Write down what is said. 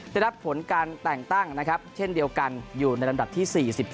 ได้รับผลการแต่งตั้งนะครับเช่นเดียวกันอยู่ในลำดับที่๔๒